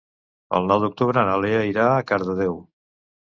El nou d'octubre na Lea irà a Cardedeu.